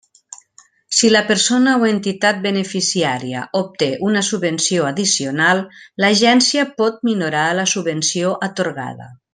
Si la persona o entitat beneficiària obté una subvenció addicional, l'Agència pot minorar la subvenció atorgada.